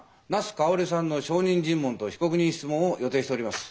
茄子佳織さんの証人尋問と被告人質問を予定しております。